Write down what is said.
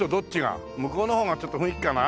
向こうの方がちょっと雰囲気かな？